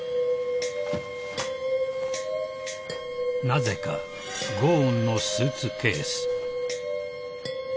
［なぜかゴーンのスーツケース］